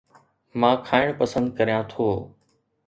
مان کائڻ پسند ڪريان ٿو